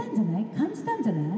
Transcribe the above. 感じたんじゃない？